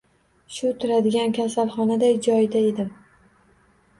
Shu turadigan kasalxonaday joyda edim